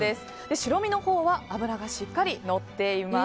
白身のほうは脂がしっかりのっています。